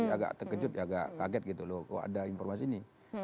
agak terkejut ya agak kaget gitu loh kok ada informasi ini